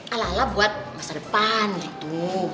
ala ala buat masa depan gitu